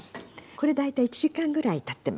これ大体１時間ぐらいたってます。